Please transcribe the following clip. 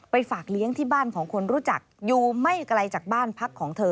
ฝากเลี้ยงที่บ้านของคนรู้จักอยู่ไม่ไกลจากบ้านพักของเธอ